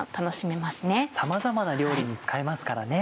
さまざまな料理に使えますからね。